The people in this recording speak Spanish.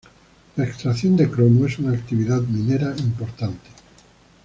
La extracción de cromo es una actividad minera importante.